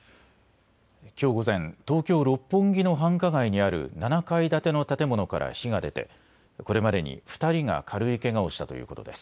きょう午前、東京六本木の繁華街にある７階建ての建物から火が出て、これまでに２人が軽いけがをしたということです。